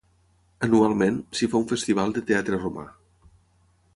Anualment, s'hi fa un festival de teatre romà.